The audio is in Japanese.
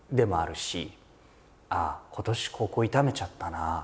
ああ今年ここ痛めちゃったな。